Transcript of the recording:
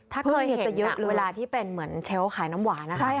ถ้าเคยเห็นเวลาที่เป็นเชลล์ขายน้ำหวาน